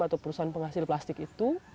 atau perusahaan penghasil plastik itu